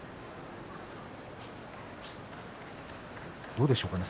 どうでしょうかね